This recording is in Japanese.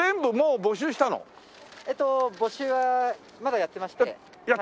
募集はまだやってまして。